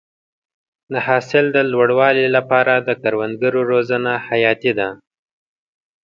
د حاصل د لوړوالي لپاره د کروندګرو روزنه حیاتي ده.